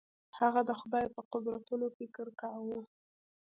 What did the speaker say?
هغه د خدای په قدرتونو فکر کاوه.